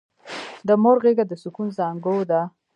د مور غېږه د سکون زانګو ده!